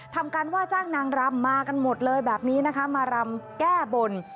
ทำการว่าจ้างนางรำมากันหมดเลยแบบนี้นะคะมารำแก้บน